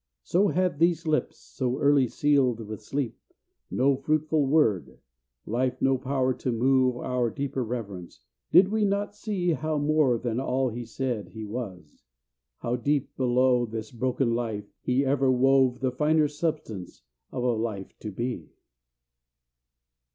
So had these lips, so early sealed with sleep, No fruitful word, life no power to move Our deeper reverence, did we not see How more than all he said, he was, how, deep Below this broken life, he ever wove The finer substance of a life to be.